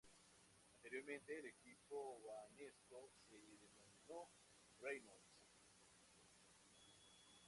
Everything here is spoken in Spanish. Anteriormente, el equipo Banesto se denominó Reynolds.